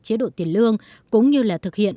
chế độ tiền lương cũng như là thực hiện